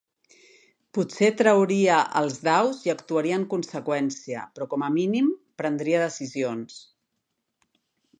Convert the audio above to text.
Potser trauria els daus i actuaria en conseqüència, però com a mínim prendria decisions.